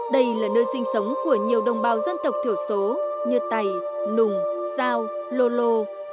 đây là nơi sinh sống của nhiều đồng bào dân tộc thiểu số như tày nùng giao lô lô